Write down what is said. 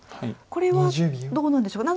これはどうなんでしょう。